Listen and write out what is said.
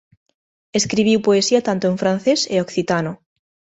Escribiu poesía tanto en francés e occitano.